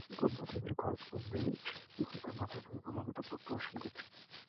কোন পথে এগোলে খরচ কমবে—এ চিন্তা মাথায় ঢুকে ক্রমাগত পোক্ত আসন গাড়ছে।